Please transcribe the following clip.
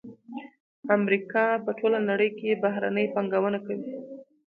امریکا په ټوله نړۍ کې بهرنۍ پانګونه کوي